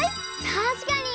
たしかに！